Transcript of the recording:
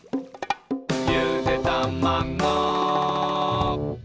「ゆでたまご」